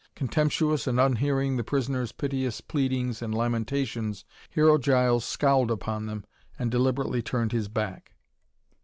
Contemptuous and unhearing the prisoners' piteous pleadings and lamentations, Hero Giles scowled upon them and deliberately turned his back.